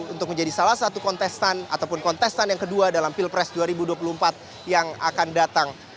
untuk menjadi salah satu kontestan ataupun kontestan yang kedua dalam pilpres dua ribu dua puluh empat yang akan datang